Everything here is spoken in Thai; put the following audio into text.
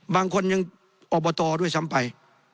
บางคนยังอบตด้วยซ้ำไป